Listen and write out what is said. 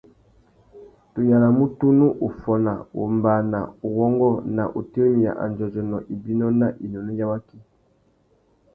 Tu yānamú tunu uffôna, wombāna, uwôngô na utirimiya andjôdjônô, ibinô na inúnú ya waki.